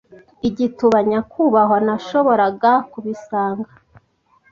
igituba. “Nyakubahwa, nashoboraga kubisanga